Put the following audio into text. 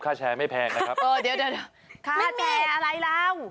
ไม่ได้เล่นแชร์